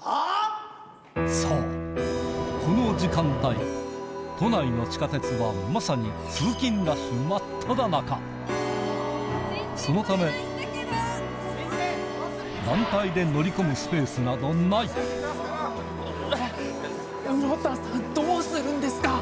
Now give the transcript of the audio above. そうこの時間帯都内の地下鉄はまさに真っただ中そのため団体で室田さんどうするんですか？